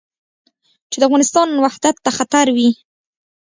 چې د افغانستان وحدت ته خطر وي.